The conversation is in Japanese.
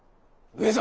上様！